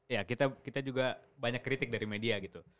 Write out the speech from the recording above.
ya kita juga banyak kritik dari media gitu